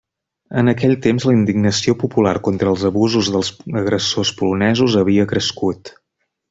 En aquell temps, la indignació popular contra els abusos dels agressors polonesos havia crescut.